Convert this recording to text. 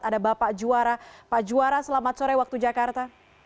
ada bapak juara pak juara selamat sore waktu jakarta